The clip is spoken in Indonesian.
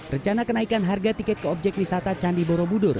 rencana kenaikan harga tiket ke objek wisata candi borobudur